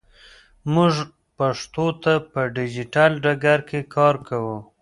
موږ پښتو ته په ډیجیټل ډګر کې کار کوو.